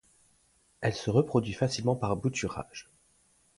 Elle se reproduit facilement par bouturage.